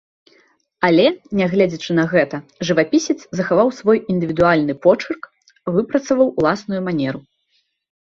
Але, нягледзячы на гэта, жывапісец захаваў свой індывідуальны почырк, выпрацаваў уласную манеру.